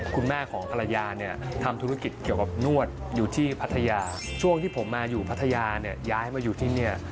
คุณแม่ของภรรยาเนี่ยทำธุรกิจเกี่ยวกับนวดอยู่ที่พัทยาช่วงที่ผมมาอยู่พัทยาเนี่ยย้ายมาอยู่ที่เนี่ย